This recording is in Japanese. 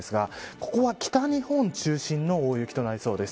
ここは北日本中心の大雪となりそうです。